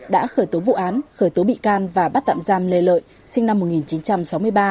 đã khởi tố vụ án khởi tố bị can và bắt tạm giam lê lợi sinh năm một nghìn chín trăm sáu mươi ba